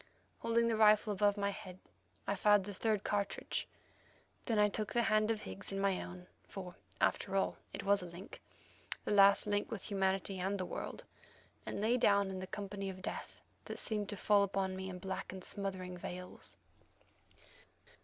Holding the rifle above my head, I fired the third cartridge. Then I took the hand of Higgs in my own, for, after all, it was a link—the last link with humanity and the world—and lay down in the company of death that seemed to fall upon me in black and smothering veils.